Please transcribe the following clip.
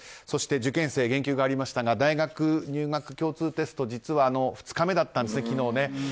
そして、受験生言及がありましたが大学入学共通テスト実は２日目だったんですね、昨日。